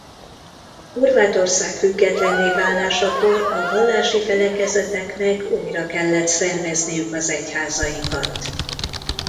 Horvátország függetlenné válásakor a vallási felekezeteknek újra kellett szervezniük az egyházaikat.